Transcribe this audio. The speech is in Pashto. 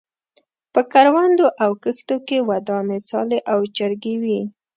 په کروندو او کښتو کې ودانې څالې او چرګۍ وې.